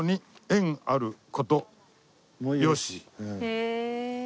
へえ。